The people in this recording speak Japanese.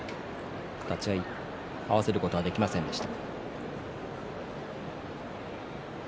立ち合いを合わせることはできませんでした。